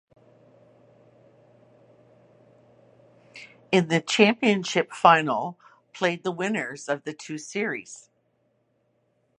In the championship final played the winners of the two series.